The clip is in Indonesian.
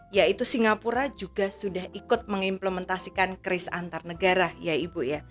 yaitu singapura juga sudah ikut mengimplementasikan kris antar negara ya ibu ya